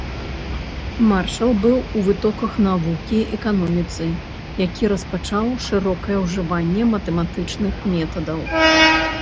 Маршал быў у вытоках навукі эканоміцы, які распачаў шырокае ўжыванне матэматычных метадаў.